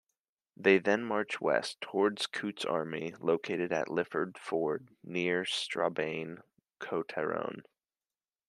They then marched west, towards Coote's army located at Lifford ford, near Strabane, Co.Tyrone.